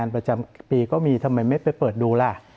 ประจำปีก็มีทำไมไม่ไปเปิดดูล่ะ